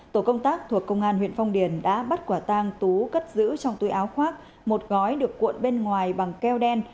tổ công tác thuộc công an huyện phong điền đã bắt quả tang tú cất giữ trong túi áo khoác một gói được cuộn bên ngoài bằng keo đen